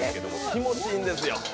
気持ちいいんですよ。